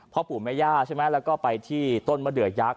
พ่อปู่แม่ย่าใช่ไหมแล้วก็ไปที่ต้นมะเดือยักษ